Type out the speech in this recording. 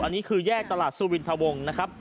อันนี้คือแยกตลาดสุวินทะวงนะครับ